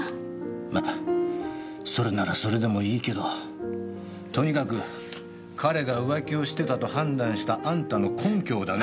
まそれならそれでもいいけどとにかく彼が浮気してたと判断したあんたの根拠をだな。